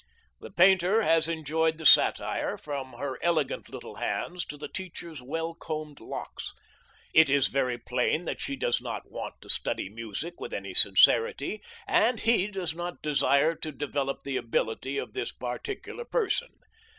The painter has enjoyed the satire, from her elegant little hands to the teacher's well combed locks. It is very plain that she does not want to study music with any sincerity, and he does not desire to develop the ability of this particular person.